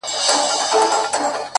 د زړه رگونه مي د باد په هديره كي پراته،